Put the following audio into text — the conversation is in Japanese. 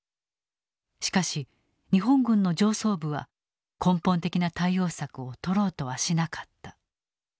しかし日本軍の上層部は根本的な対応策を取ろうとはしなかった。